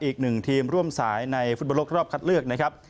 อีกหนึ่งทีมร่วมสายในฟุตบอลโลกรอบคัดเลือกนะครับ